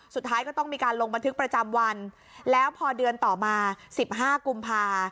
สุดท้ายก็ต้องมีการลงบันทึกประจำวันแล้วพอเดือนต่อมาสิบห้ากุมภา